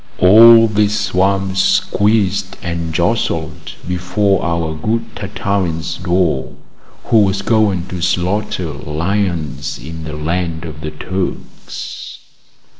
All this swarm squeezed and jostled before our good Tartarin's door, who was going to slaughter lions in the land of the Turks.